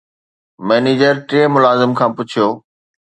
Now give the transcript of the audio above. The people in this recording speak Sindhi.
مئنيجر ٽئين ملازم کان پڇيو